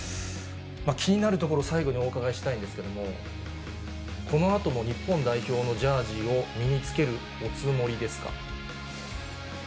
気になるところ、最後にお伺いしたいんですけれども、このあとも日本代表のジャージを身につけるおつもりですか？